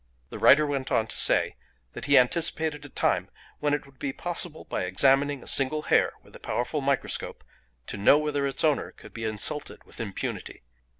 The writer went on to say that he anticipated a time when it would be possible, by examining a single hair with a powerful microscope, to know whether its owner could be insulted with impunity.